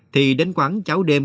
thì đến quán cháo đêm